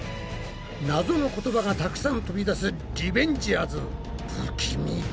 ナゾの言葉がたくさん飛び出すリベンジャーズ不気味だ。